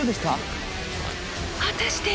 果たして！？